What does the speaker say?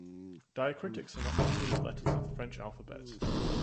Diacritics are not considered letters of the French alphabet.